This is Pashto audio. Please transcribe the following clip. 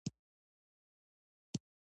ژبه د پخلاینې نښه ده